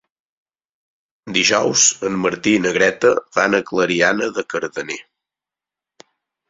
Dijous en Martí i na Greta van a Clariana de Cardener.